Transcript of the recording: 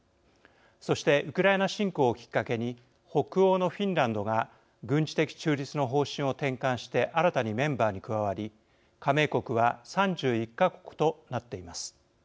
そしてウクライナ侵攻をきっかけに北欧のフィンランドが軍事的中立の方針を転換して新たにメンバーに加わり加盟国は３１か国となっています。